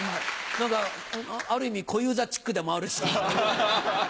何かある意味小遊三チックでもあるし。